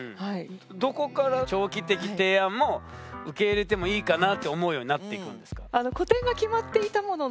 どこから長期的提案も受け入れてもいいかなって思うようになっていくんですか？